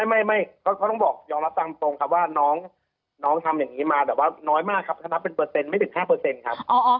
ไม่ต้องบอกยอมรับตามตรงครับว่าน้องทำอย่างนี้มาแบบว่าน้อยมากครับถ้านับเป็นเปอร์เซ็นไม่ถึง๕ครับ